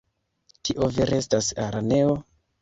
Tio vere estas araneo.